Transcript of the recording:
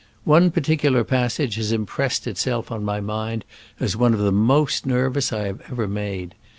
... One particular passage has impressed itself on my mind as one of the most nervous I have ever made.